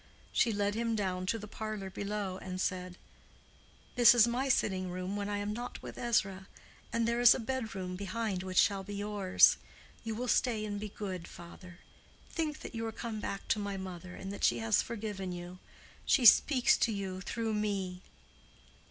She led him down to the parlor below, and said, "This is my sitting room when I am not with Ezra, and there is a bedroom behind which shall be yours. You will stay and be good, father. Think that you are come back to my mother, and that she has forgiven you—she speaks to you through me."